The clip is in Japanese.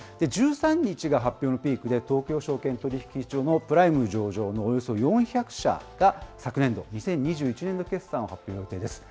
１３日が発表のピークで、東京証券取引所のプライム上場のおよそ４００社が、昨年度・２０２１年度決算を発表予定です。